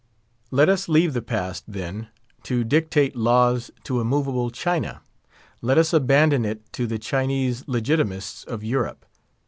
Let us leave the Past, then, to dictate laws to immovable China; let us abandon it to the Chinese Legitimists of Europe.